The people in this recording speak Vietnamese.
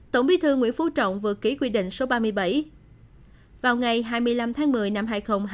tổng bí thư nguyễn phú trọng vừa ký quy định số ba mươi bảy vào ngày hai mươi năm tháng một mươi năm hai nghìn hai mươi ba